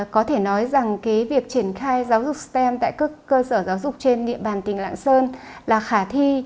có thể nói rằng việc triển khai giáo dục stem tại các cơ sở giáo dục trên địa bàn tỉnh lạng sơn là khả thi